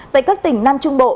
tại các tỉnh nam trung bộ